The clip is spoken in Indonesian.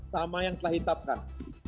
sama yang telah hitapkan